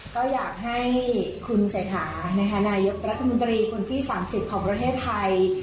ก็อยากให้คุณเศรษฐานายกรัฐมนตรีคนที่๓๐ของประเทศไทย